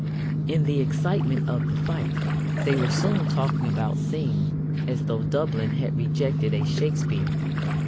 In the excitement of the fight they were soon talking about Synge as though Dublin had rejected a Shakespeare.